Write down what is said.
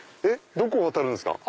どこを渡るんですか？